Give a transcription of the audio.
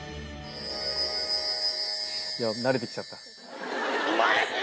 慣れてきちゃった。